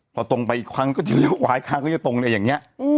พอตรงไปอีกครั้งก็จะเลี้ยวขวาอีกครั้งก็จะตรงอะไรอย่างนี้